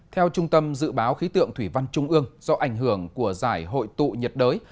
theo trung tâm dự báo khí tượng thủy văn trung ương do ảnh hưởng của giải hội tụ nhiệt đới